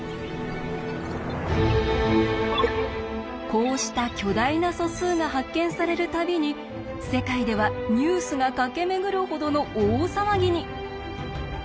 こうした巨大な素数が発見される度に世界ではニュースが駆け巡るほどの大騒ぎに！